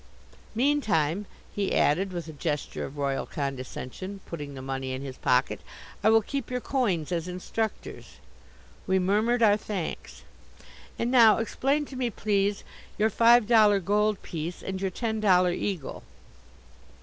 Meantime," he added, with a gesture of royal condescension, putting the money in his pocket, "I will keep your coins as instructors" we murmured our thanks "and now explain to me, please, your five dollar gold piece and your ten dollar eagle."